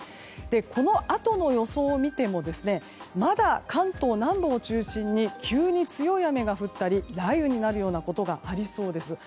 このあとの予想を見てもまだ関東南部を中心に急に強い雨が降ったり雷雨になるようなことがありそうです。